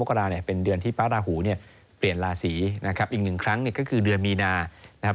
กราเนี่ยเป็นเดือนที่พระราหูเนี่ยเปลี่ยนราศีนะครับอีกหนึ่งครั้งเนี่ยก็คือเดือนมีนานะครับ